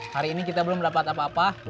hari ini kita belum dapat apa apa